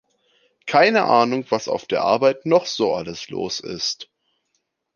Keine Ahnung, was auf der Arbeit noch so alles los ist.